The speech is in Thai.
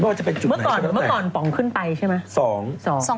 เมื่อก่อนป๋องขึ้นไปใช่ไหม